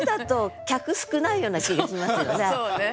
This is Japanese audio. そうね。